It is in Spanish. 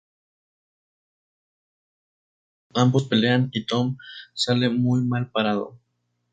Acto seguido, ambos pelean y Tom sale muy mal parado.